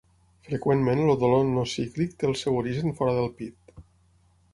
Freqüentment el dolor no cíclic té el seu origen fora del pit.